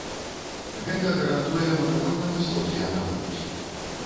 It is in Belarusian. Гэта гарантуе манапольна высокія набыткі.